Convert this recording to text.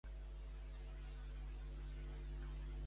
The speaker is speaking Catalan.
Quan es va descobrir el Tresor de Príam, què va fer Sophia amb aquest?